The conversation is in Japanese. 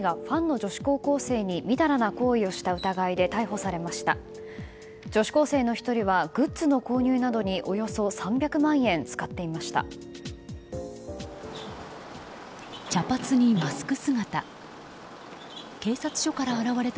女子高生の１人はグッズの購入などにおよそ３００万円使っていました。